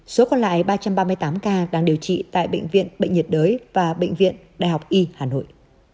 số còn lại ba trăm ba mươi tám ca đang điều trị tại bệnh viện bệnh nhiệt đới và bệnh viện đại học y hà nội